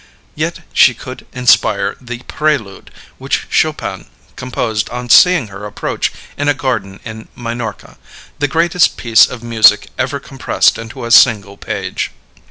Yet she could inspire the "Prelude," which Chopin composed on seeing her approach in a garden in Minorca the greatest piece of music ever compressed into a single page.